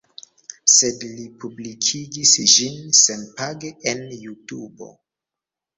Sed li publikigis ĝin senpage en Jutubo